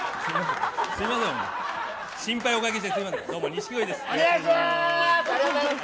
すいません、心配をおかけしてすいません、どうも錦鯉です。